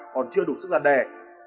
còn chưa đủ sức gian đề